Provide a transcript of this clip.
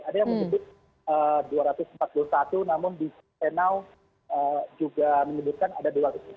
ada yang menyebut dua ratus empat puluh satu namun di senau juga menyebutkan ada dua ratus empat puluh